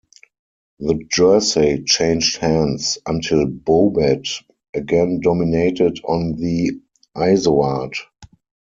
The jersey changed hands until Bobet again dominated on the Izoard.